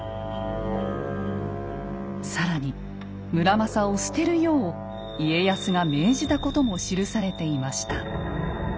更に村正を棄てるよう家康が命じたことも記されていました。